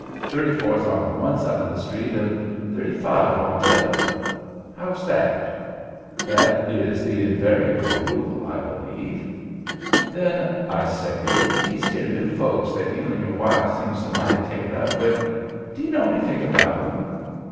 Thirty four's on one side o' the street an' thirty five on t'other. How's that?" "That is the invariable rule, I believe." "Then—I say—these here new folk that you 'n' your wife seem so mighty taken up with—d'ye know anything about 'em?"